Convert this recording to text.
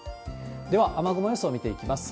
では、雨雲予想見ていきます。